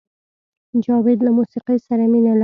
جاوید له موسیقۍ سره مینه لرله